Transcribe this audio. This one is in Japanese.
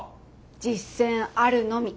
実践あるのみ。